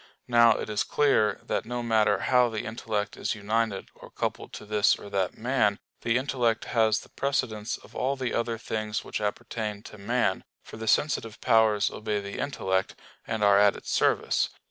Now it is clear that no matter how the intellect is united or coupled to this or that man, the intellect has the precedence of all the other things which appertain to man; for the sensitive powers obey the intellect, and are at its service.